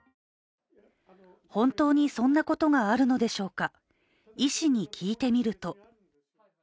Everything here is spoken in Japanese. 本当にそんなことがあるのでしょうか。